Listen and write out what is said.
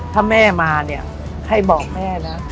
ถ้าแม่มาเนี่ยให้บอกแม่นะ